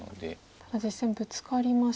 ただ実戦ブツカりまして。